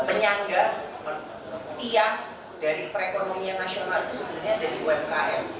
penyangga pihak dari perekonomian nasional itu sebenarnya dari umkm